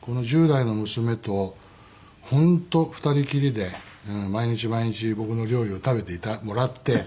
１０代の娘と本当２人きりで毎日毎日僕の料理を食べてもらって。